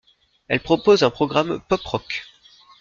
Elle propose un programme pop rock.